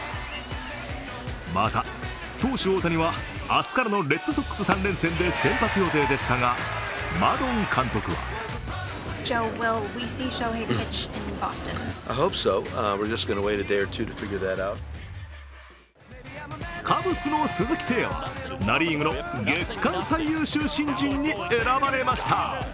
また投手・大谷は明日からのレッドソックス３連戦で先発予定でしたが、マドン監督はカブスの鈴木誠也はナ・リーグの月間最優秀新人に選ばれました。